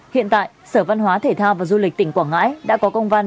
hiện tại sở văn hóa thể thao và du lịch tỉnh quảng ngãi đã có công văn